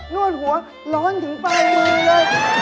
นวดหัวร้อนถึงปลายมือเลย